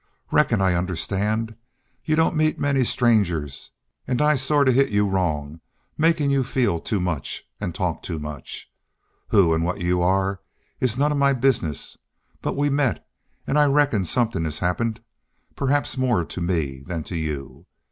Reckon I understand. You don't meet many strangers an' I sort of hit you wrong makin' you feel too much an' talk too much. Who an' what you are is none of my business. But we met.... An' I reckon somethin' has happened perhaps more to me than to you....